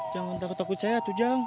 jangan takut takut saya tuh jang